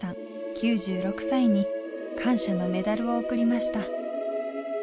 ９６歳に感謝のメダルを贈りました。